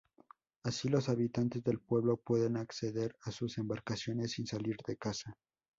Así los habitantes del pueblo pueden acceder a sus embarcaciones sin salir de casa.